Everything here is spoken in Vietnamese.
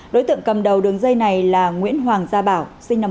đối tượng cầm đầu đường dây này là nguyễn hoàng gia bảo sinh năm một nghìn chín trăm tám mươi